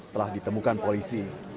telah ditemukan polisi